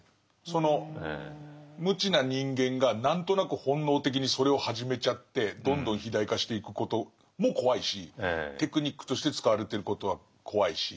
その無知な人間が何となく本能的にそれを始めちゃってどんどん肥大化していくことも怖いしテクニックとして使われてることは怖いし。